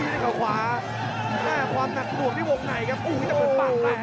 ด้วยขวาแน่ความหนักดวกที่วงไหนครับโอ้มันเป็นปากแปลกครับ